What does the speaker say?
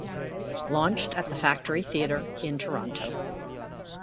Launched at the Factory Theatre in Toronto.